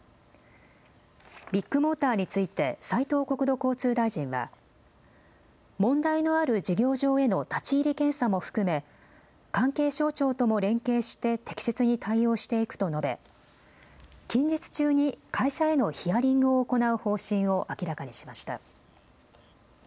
ビッグモーターについて斉藤国土交通大臣は問題のある事業場への立ち入り検査も含め関係省庁とも連携して適切に対応していくと述べ近日中に会社へのヒアリングを行う方針を明らかにしました。